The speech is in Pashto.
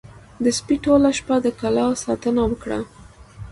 د سپي ټوله شپه د کلا ساتنه وکړه.